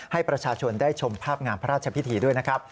ให้ประชาชนได้ชมภาพงามพระราชพิธีด้วยนะครับ